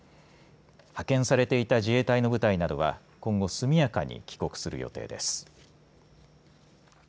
派遣されていた自衛隊の部隊などは今後、速やかに帰国する予定です。